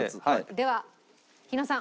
では日野さん